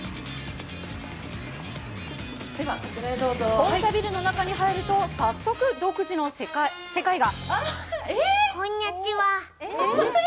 本社ビルに入ると早速独自の世界が。